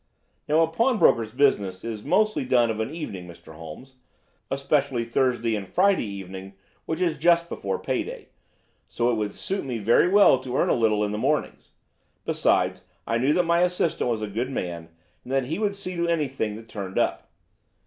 "Now a pawnbroker's business is mostly done of an evening, Mr. Holmes, especially Thursday and Friday evening, which is just before pay day; so it would suit me very well to earn a little in the mornings. Besides, I knew that my assistant was a good man, and that he would see to anything that turned up.